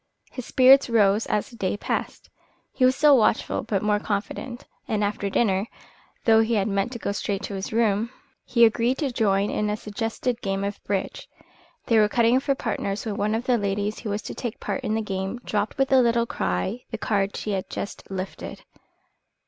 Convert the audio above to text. His spirits rose as the day passed. He was still watchful, but more confident; and, after dinner, though he had meant to go straight to his room, he agreed to join in a suggested game of bridge. They were cutting for partners when one of the ladies who was to take part in the game dropped with a little cry the card she had just lifted.